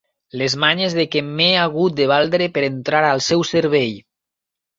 Les manyes de què m'he hagut de valdre per entrar al seu servei!